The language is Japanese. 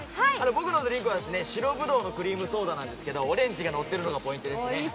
僕のドリンクは白ブドウのクリームソーダなんですがオレンジが乗っているのがポイントですね。